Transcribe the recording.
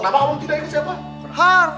kenapa kamu tidak ingat siapa